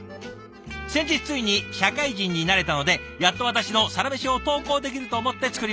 「先日ついに社会人になれたのでやっと私のサラメシを投稿できると思って作りました。